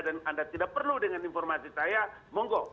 dan anda tidak perlu dengan informasi saya monggo